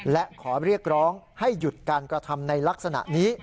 และขอเรียกร้องให้หยุดการกระทำในลักษณะนี้